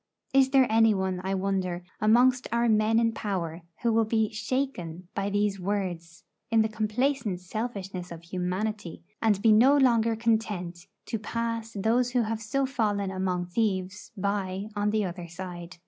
Is there any one, I wonder, amongst our men in power who will be shaken by these words in the complacent selfishness of humanity, and be no longer content to pass those who have so fallen among thieves by on the other side?